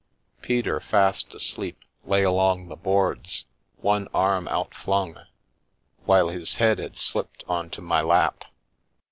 Peter, fast asleep, lay along the boards, one arm outflung, while his head had slipped on to my lap.